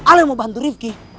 kalau ada yang mau bantu rifqi